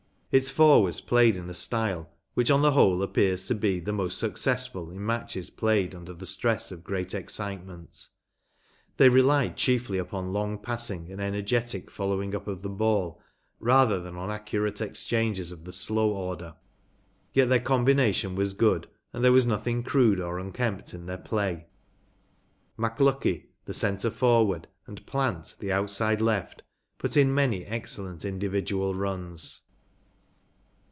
Its forwards played in a style which on the whole appears to he the most successful in matches played under the stress of great excitement; they relied chiefly upon long passing and energetic following up of the ball rather than on accu¬ rate exchanges of the slow order; yet their combination was good, and there was nothing crude or unkempt in their play. Me Ltickie, the centre forward, and Hant, the outside left, put in many excellent indivi¬ dual runs.